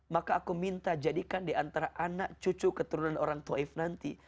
maka aku minta jadikan diantara anak cucu keturunan orang taif ⁇ nanti